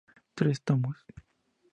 Tres tomos.